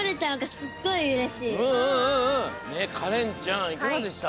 カレンちゃんいかがでした？